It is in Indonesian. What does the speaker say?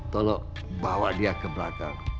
tolong bawa dia ke belakang